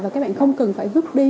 và các bạn không cần phải vứt đi